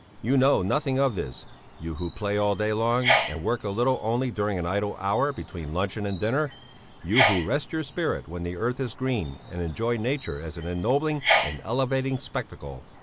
You know nothing of this, you who play all day long, and work a little only during an idle hour between luncheon and dinner; you who rest your spirit when the earth is green and enjoy nature as an ennobling and elevating spectacle.